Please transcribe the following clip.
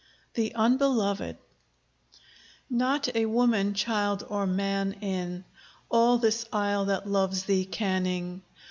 THE UNBELOVED Not a woman, child, or man in All this isle that loves thee, Canning.